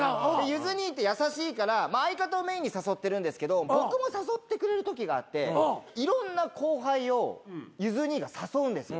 ゆず兄って優しいから相方をメインに誘ってるんですけど僕も誘ってくれるときがあっていろんな後輩をゆず兄が誘うんですよ。